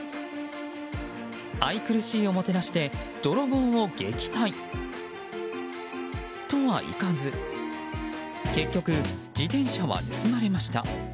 愛くるしいおもてなしで泥棒を撃退とはいかず結局、自転車は盗まれました。